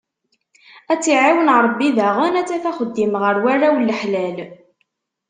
Ad tt-iɛiwen Rebbi daɣen ad taf axeddim ɣer warraw n laḥlal.